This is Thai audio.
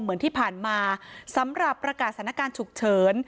เหมือนที่ผ่านมาสำหรับประกาศสถานการณ์ฉุกเฉิน